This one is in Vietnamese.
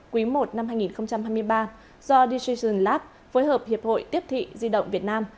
quý i năm hai nghìn hai mươi ba do dision lap phối hợp hiệp hội tiếp thị di động việt nam